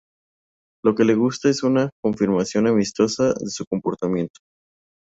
Lo que le gusta es una confirmación amistosa de su comportamiento.